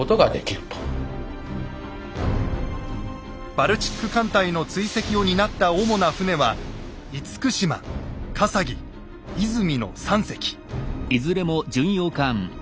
バルチック艦隊の追跡を担った主な船はの３隻。